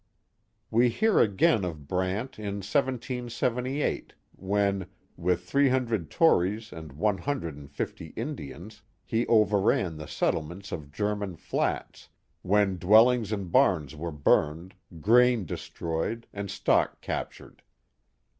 L 266 The Mohawk Valley We hear again of Brant In 1778, when, with three hundred Tories and one hundred and fifty Indians, he overran the sctHements of German Flats, when dwellings and barns were burned, grain destroyed, and stock captured.